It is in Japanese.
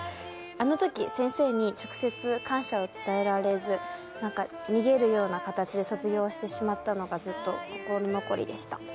あのとき、先生に直接感謝を伝えられず、逃げるような形で卒業してしまったのがずっと心残りでした。